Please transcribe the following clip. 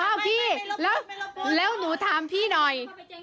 เอ้าพี่แล้วหนูทำพี่หน่อย